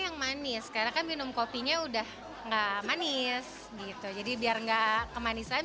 yang manis karena kan minum kopinya udah enggak manis gitu jadi biar enggak kemanisan